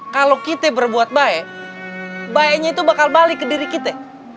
kalau kita berbuat baik bayinya itu bakal balik ke diri kita